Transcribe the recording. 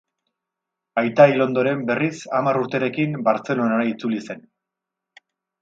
Aita hil ondoren, berriz, hamar urterekin, Bartzelonara itzuli zen.